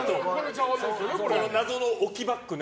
この謎の置きバッグね。